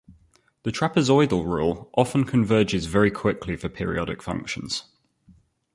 The trapezoidal rule often converges very quickly for periodic functions.